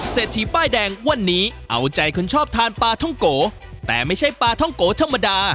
เศรษฐีป้ายแดงวันนี้เอาใจคนชอบทานปลาท่องโกแต่ไม่ใช่ปลาท่องโกธรรมดา